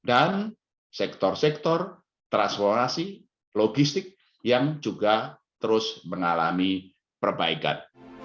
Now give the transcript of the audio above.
dan sektor sektor transformasi logistik yang juga terus mengalami perbaikan